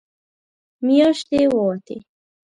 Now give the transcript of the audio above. مياشتې ووتې.